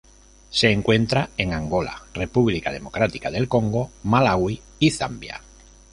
Se encuentra en Angola, República Democrática del Congo, Malaui y Zambia.